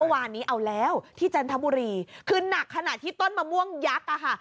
เมื่อวานนี้เอาแล้วที่จันทบุรีคือหนักขนาดที่ต้นมะม่วงยักษ์อ่ะค่ะ